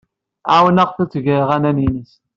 Ɛawneɣ-tt ad teg aɣanen-nnes.